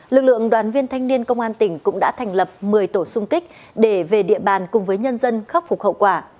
lực lượng đoàn viên thanh niên công an tỉnh cũng đã thành lập một mươi tổ sung kích để về địa bàn cùng với nhân dân khắc phục hậu quả